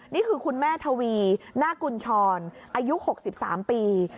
นี่คือคุณแม่ทวีนากุญชรอายุ๖๓ปี